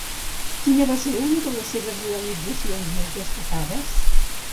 Quina va ser una de les seves realitzacions més destacades?